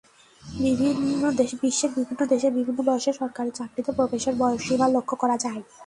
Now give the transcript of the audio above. বিশ্বের বিভিন্ন দেশে বিভিন্ন বয়সে সরকারি চাকরিতে প্রবেশের বয়সসীমা লক্ষ করা যায়।